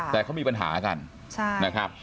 แต่เขามีปัญหากันนะครับ